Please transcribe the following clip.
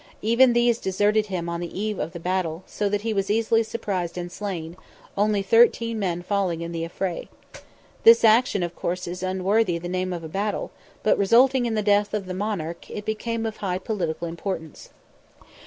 Even these deserted him on the eve of the battle, so that he was easily surprised and slain, only thirteen men falling in the affray. This action, of course, is unworthy the name of a battle, but resulting in the death of the monarch, it became of high political importance.